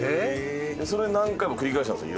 それ何回も繰り返したんですよ